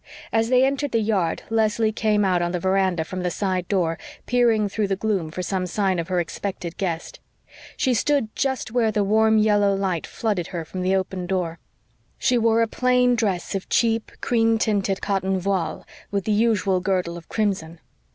As they entered the yard Leslie came out on the veranda from the side door, peering through the gloom for some sign of her expected guest. She stood just where the warm yellow light flooded her from the open door. She wore a plain dress of cheap, cream tinted cotton voile, with the usual girdle of crimson.